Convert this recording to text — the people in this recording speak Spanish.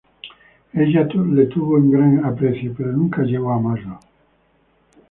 Ella le tuvo en gran aprecio pero nunca llegó a amarlo.